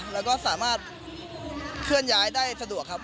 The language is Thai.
แล้วก็สามารถเคลื่อนย้ายได้สะดวกครับ